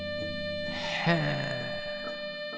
へえ。